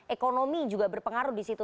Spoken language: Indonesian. ekonomi juga berpengaruh disitu